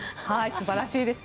素晴らしいです。